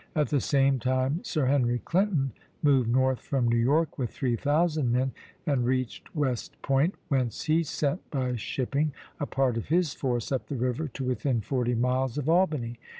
At the same time Sir Henry Clinton moved north from New York with three thousand men, and reached West Point, whence he sent by shipping a part of his force up the river to within forty miles of Albany.